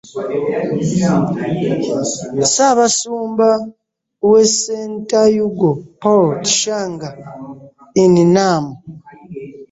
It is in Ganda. Ssaabasumba w'e Sant'Ugo, Paul Tschang In-Nam.